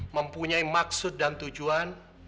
mempunyai maksud dan tujuan